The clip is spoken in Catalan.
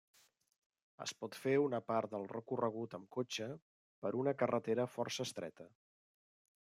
Es pot fer una part del recorregut amb cotxe per una carretera força estreta.